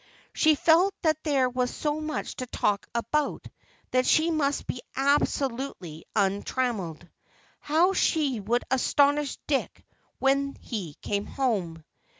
She felt that there was so much to talk about that she must be absolutely untrammeled. How she would astonish Dick when he came home!